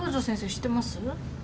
知ってます？